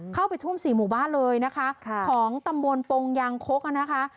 เข้าไปท่วมสี่หมู่บ้านเลยนะคะของตำบลปงยางคกนะคะ